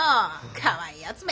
かわいいやつめ！